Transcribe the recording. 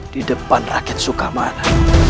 di depan rakyat sukamana